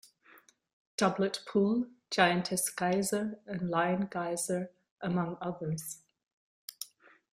Doublet Pool, Giantess Geyser and Lion Geyser, among others.